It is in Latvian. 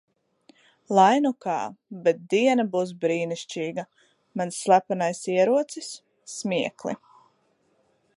Lai nu kā, bet diena būs brīnišķīga! Mans slepenais ierocis- smiekli.